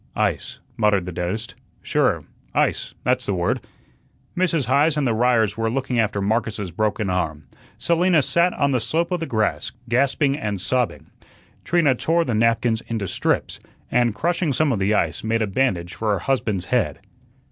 "Ice," muttered the dentist, "sure, ice, that's the word." Mrs. Heise and the Ryers were looking after Marcus's broken arm. Selina sat on the slope of the grass, gasping and sobbing. Trina tore the napkins into strips, and, crushing some of the ice, made a bandage for her husband's head.'